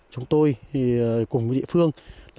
chúng tôi cùng địa phương